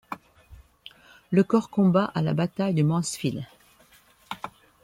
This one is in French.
Le corps combat à la bataille de Mansfield.